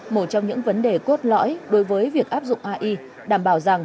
một trong những vấn đề cốt lõi đối với việc áp dụng ai đảm bảo rằng